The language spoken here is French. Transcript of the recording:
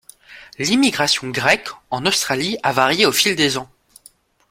L'immigration grecque en Australie a varié au fil des ans.